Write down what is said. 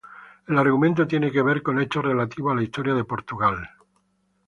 El argumento tiene que ver con hechos relativos a la historia de Portugal.